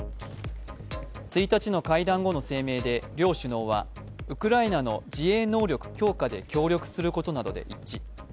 １日の会談後の声明で両首脳は、ウクライナの自衛能力強化で協力することなどで一致。